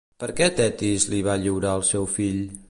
Per què Tetis li va lliurar el seu fill?